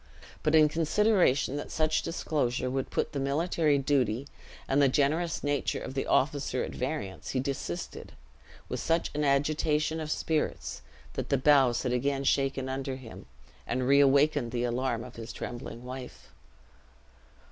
But in consideration that such disclosure would put the military duty and the generous nature of the officer at variance, he desisted, with such an agitation of spirits that the boughs had again shaken under him, and reawakened the alarm of his trembling wife.